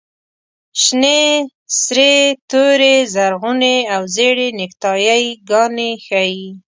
شنې، سرې، تورې، زرغونې او زېړې نیکټایي ګانې ښیي.